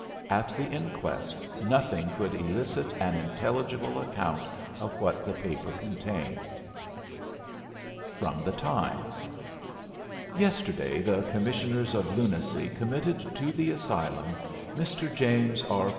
At the inquest nothing could elicit an intelligent account of what the paper had contained. FROM "THE TIMES" "Yesterday the Commissioners of Lunacy committed to the asylum Mr. James R.